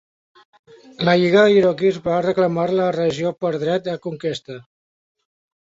La Lliga Iroquois va reclamar la regió per dret de conquesta.